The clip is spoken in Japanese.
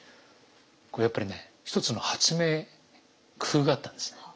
これやっぱりね一つの発明工夫があったんですね。